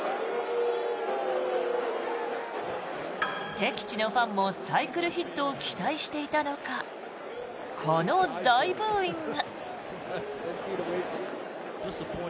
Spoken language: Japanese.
敵地のファンもサイクルヒットを期待していたのかこの大ブーイング。